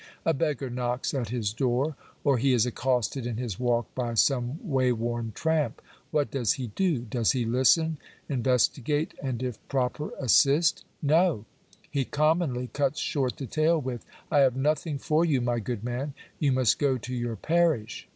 A beg gar knocks at his door ; or he is accosted in his walk by some way worn tramp. What does he do ? Does he listen, inves Digitized by VjOOQIC 320 POOR LAWS. tigate, and, if proper, assist ? No ; he commonly outs short the tale with —" I have nothing for you, my good man ; yon must go to your parish."